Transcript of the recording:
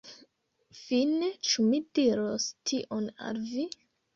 Fine, ĉu mi diros tion al vi?